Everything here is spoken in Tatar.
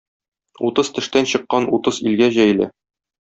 Утыз тештән чыккан утыз илгә җәелә.